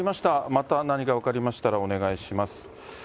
また何か分かりましたらお願いします。